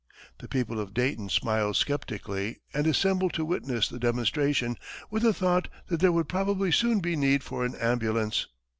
The people of Dayton smiled skeptically, and assembled to witness the demonstration with the thought that there would probably soon be need for an ambulance.